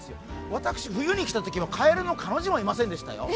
私、冬に来たときはカエルの「カ」の字もありませんでしたよ。